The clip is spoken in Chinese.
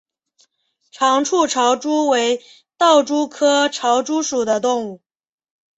长触潮蛛为盗蛛科潮蛛属的动物。